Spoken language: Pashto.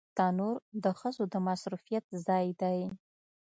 تنور د ښځو د مصروفيت ځای دی